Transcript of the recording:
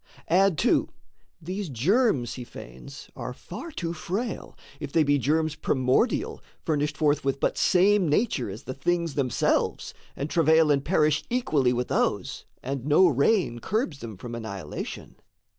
Add too: these germs he feigns are far too frail If they be germs primordial furnished forth With but same nature as the things themselves, And travail and perish equally with those, And no rein curbs them from annihilation.